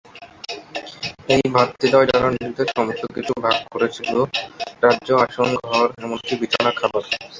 এই ভাতৃদ্বয়, যারা নিজেদের সমস্ত কিছু ভাগ করেছিল: রাজ্য, আসন, ঘর এমনকি বিছানা, খাবার।